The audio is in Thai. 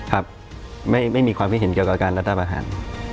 ครับไม่มีความคิดเห็นเกี่ยวกับการรัฐประหาร